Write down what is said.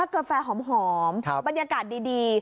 กาแฟหอมบรรยากาศดี